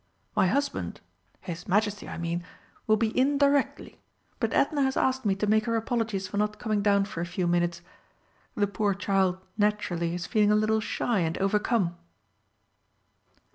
My husband his Majesty, I mean will be in directly, but Edna has asked me to make her apologies for not coming down for a few minutes. The poor child naturally is feeling a little shy and overcome."